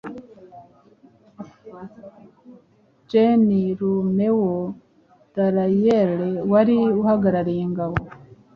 Gen Romeo Dallaiare wari uhagarariye ingabo